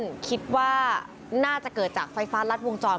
เบื้องต้นคิดว่าน่าจะเกิดจากไฟฟ้ารัดวงจร